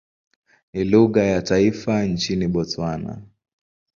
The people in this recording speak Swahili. Ni lugha ya taifa nchini Botswana.